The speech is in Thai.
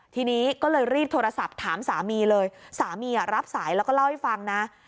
ทีนี้ก็เลยรีบโทรศัพท์ถามสามีเลยสามีรับสายแล้วก็เล่าให้ฟังนะ